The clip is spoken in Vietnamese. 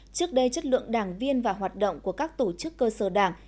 trước đây chất lượng đảng viên và hoạt động của các tổ chức cơ sở đảng